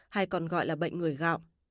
hay còn gọi là bệnh người gạo